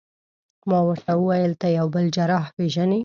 ما ورته وویل: ته یو بل جراح پېژنې؟